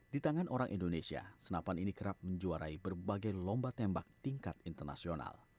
di tangan orang indonesia senapan ini kerap menjuarai berbagai lomba tembak tingkat internasional